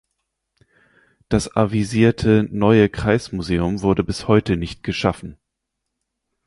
Das avisierte neue Kreismuseum wurde bis heute nicht geschaffen.